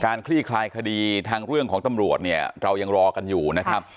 คลี่คลายคดีทางเรื่องของตำรวจเนี่ยเรายังรอกันอยู่นะครับ